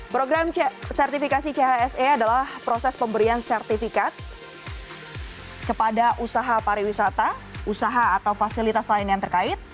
program sertifikasi chse adalah proses pemberian sertifikat kepada usaha pariwisata usaha atau fasilitas lain yang terkait